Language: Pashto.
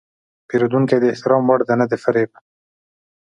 پیرودونکی د احترام وړ دی، نه د فریب.